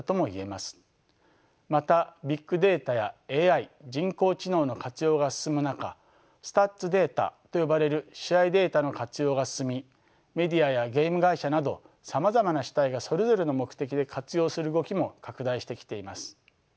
またビッグデータやＡＩ人工知能の活用が進む中スタッツデータと呼ばれる試合データの活用が進みメディアやゲーム会社などさまざまな主体がそれぞれの目的で活用する動きも拡大してきています。